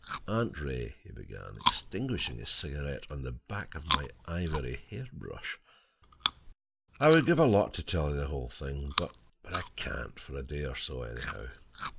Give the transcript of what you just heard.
"Aunt Ray," he began, extinguishing his cigarette on the back of my ivory hair brush, "I would give a lot to tell you the whole thing. But—I can't, for a day or so, anyhow.